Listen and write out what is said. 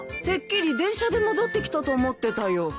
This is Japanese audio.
てっきり電車で戻ってきたと思ってたよ。